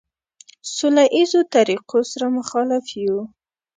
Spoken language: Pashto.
سوله ایزو طریقو سره مخالف یو.